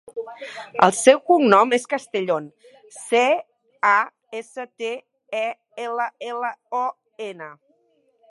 El seu cognom és Castellon: ce, a, essa, te, e, ela, ela, o, ena.